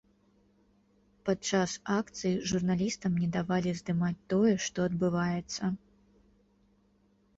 Падчас акцый журналістам не давалі здымаць тое, што адбываецца.